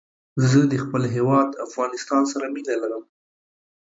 زه د خپل هېواد افغانستان سره مينه لرم